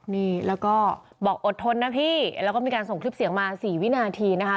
นี่แล้วก็บอกอดทนนะพี่แล้วก็มีการส่งคลิปเสียงมา๔วินาทีนะคะ